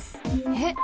えっ？